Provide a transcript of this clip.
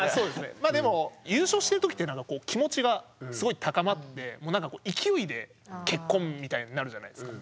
優勝してる時ってなんかこう気持ちがすごい高まってもうなんか勢いで結婚みたいになるじゃないですか。